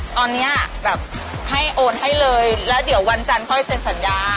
ตอนนี้แบบให้โอนให้เลยแล้วเดี๋ยววันจันทร์ค่อยเซ็นสัญญา